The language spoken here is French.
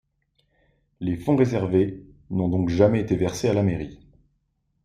Les fonds réservés n'ont donc jamais été versés à la mairie.